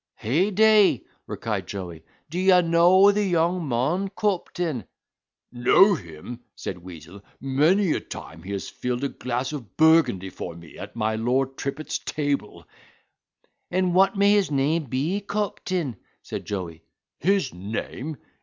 "Hey day!" cried Joey, "do yaw knaw the young mon, coptain?" "Know him," said Weazel, "many a time has he filled a glass of Burgundy for me, at my Lord Trippett's table." "And what may his name be, coptain?" said Joey. "His name!